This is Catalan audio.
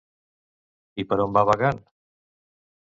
I per on va vagant?